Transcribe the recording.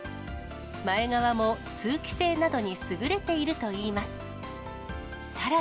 前側も通気性などに優れているといいます。